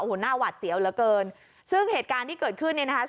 โอ้โหหน้าหวัดเสียวเหลือเกินซึ่งเหตุการณ์ที่เกิดขึ้นเนี่ยนะคะ